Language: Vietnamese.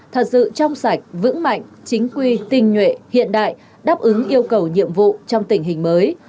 thật sự trong sạch vững mạnh chính quy tinh nhuệ hiện đại đáp ứng yêu cầu nhiệm vụ trong tình hình mới